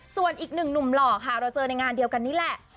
ส่วนอีกหนึ่งหนุ่มหล่อค่ะเราเจอในงานเดียวกันนี่แหละ